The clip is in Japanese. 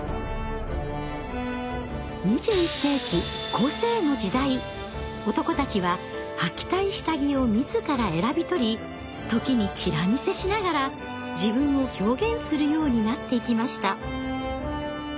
２１世紀男たちははきたい下着を自ら選び取り時にチラ見せしながら自分を表現するようになっていきました。